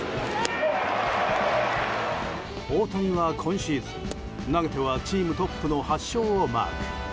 大谷は今シーズン、投げてはチームトップの８勝をマーク。